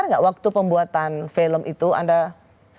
benar gak waktu pembuatan film itu anda bisa mencari nama yang berbeda